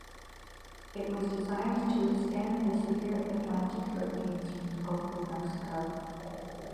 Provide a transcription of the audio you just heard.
It was designed to withstand the severe Atlantic hurricanes from the Gulf of Mexico.